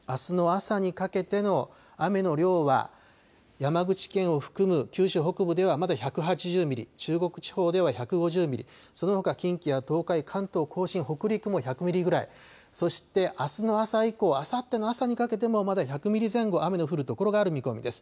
あすの朝にかけての雨の量は山口県を含む九州北部ではまだ１８０ミリ、中国地方では１５０ミリ、そのほか近畿や東海、関東甲信北陸も１００ミリぐらい、そしてあすの朝以降、あさっての朝にかけてもまだ１００ミリ前後雨の降る所がある見込みです。